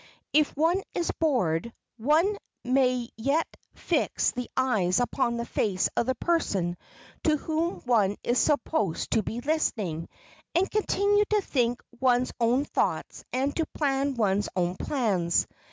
If one is bored, one may yet fix the eyes upon the face of the person to whom one is supposed to be listening, and continue to think one's own thoughts and to plan one's own plans.